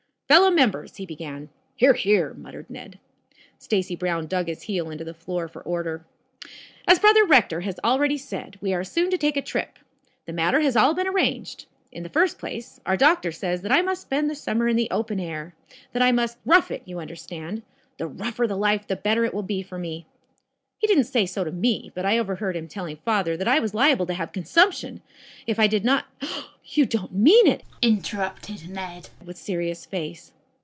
"Fellow members," he began. "Hear, hear!" muttered Ned. Stacy Brown dug his heel into the floor for order. "As brother Rector already has said, we are soon to take a trip. The matter has all been arranged. In the first place, our doctor says that I must spend the summer in the open air that I must rough it, you understand. The rougher the life, the better it will be for me. He didn't say so to me, but I overheard him telling father that I was liable to have consumption, if I did not " "You don't mean it?" interrupted Ned with serious face.